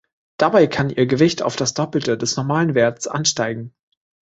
Dabei kann ihr Gewicht auf das Doppelte des normalen Werts ansteigen.